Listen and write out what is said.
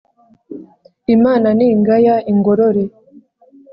imana ningaya ingorore